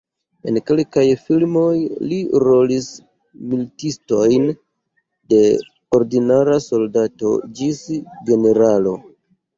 En kelkaj filmoj li rolis militistojn de ordinara soldato ĝis generalo.